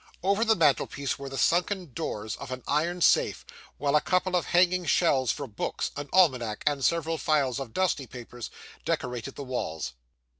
Over the mantelpiece were the sunken doors of an iron safe, while a couple of hanging shelves for books, an almanac, and several files of dusty papers, decorated the walls.